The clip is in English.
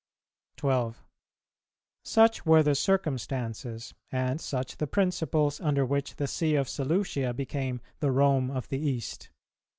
12. Such were the circumstances, and such the principles, under which the See of Seleucia became the Rome of the East.